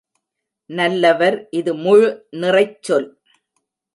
நல்லவர் இது முழு நிறைச் சொல்.